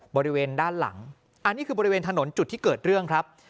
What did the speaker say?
บริเวณด้านหลังอันนี้คือบริเวณถนนจุดที่เกิดเรื่องครับ